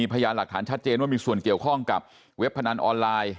พยานหลักฐานชัดเจนว่ามีส่วนเกี่ยวข้องกับเว็บพนันออนไลน์